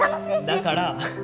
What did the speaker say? だから！